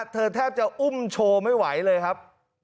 แทบจะอุ้มโชว์ไม่ไหวเลยครับ